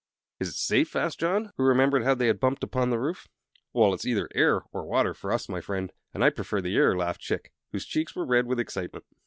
"Is it safe?" asked John, who remembered how they had bumped upon the roof. "Well, it's either air or water for us, my friend, and I prefer the air," laughed Chick, whose cheeks were red with excitement.